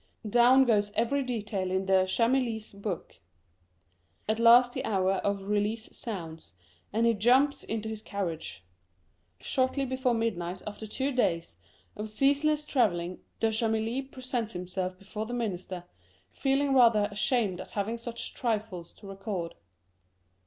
Down goes every detail in De Chamilly's book. At last the hour of release sounds, and he jumps into his carriage. Shortly before midnight, after two days of ceaseless travelling, De Chamilly presented himself before the minister, feeling rather ashamed at having such trifles to record.